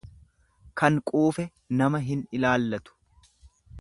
Kan quufe nama hin ilaallatu.